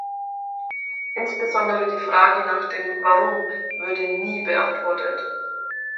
Insbesondere die Frage nach dem "Warum" würde "„nie beantwortet“".